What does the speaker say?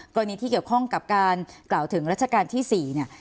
กรณีที่เกี่ยวกับข้องกล่าวถึงราชการที่๔